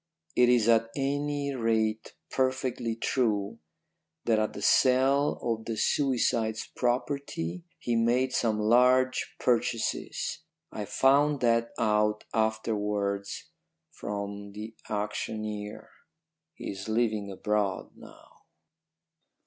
It is at any rate perfectly true that at the sale of the suicide's property he made some large purchases. I found that out afterwards from the auctioneer. He is living abroad now.